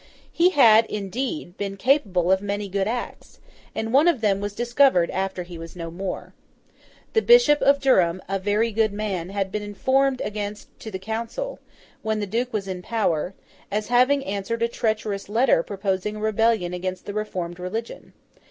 He had, indeed, been capable of many good acts, and one of them was discovered after he was no more. The Bishop of Durham, a very good man, had been informed against to the Council, when the Duke was in power, as having answered a treacherous letter proposing a rebellion against the reformed religion.